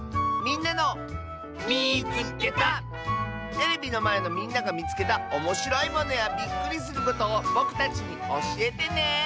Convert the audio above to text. テレビのまえのみんながみつけたおもしろいものやびっくりすることをぼくたちにおしえてね！